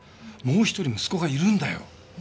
もう一人息子がいるんだよ。